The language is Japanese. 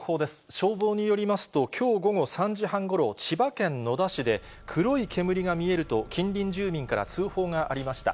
消防によりますと、きょう午後３時半ごろ、千葉県野田市で黒い煙が見えると、近隣住民から通報がありました。